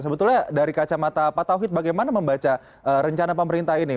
sebetulnya dari kacamata pak tauhid bagaimana membaca rencana pemerintah ini